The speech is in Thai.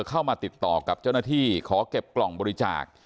เข้ามาติดต่อกับเจ้าหน้าที่ขอเก็บกล่องบริจาค